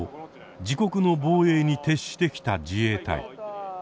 自国の防衛に徹してきた自衛隊。